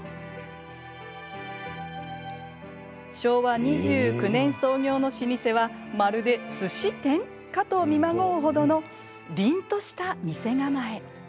昭和２９年創業の老舗はまるで、すし店？かと見まごうほどのりんとした店構え。